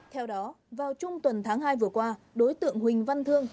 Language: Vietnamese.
theo đó vào trung tuần tháng hai vừa qua đối tượng huỳnh văn thương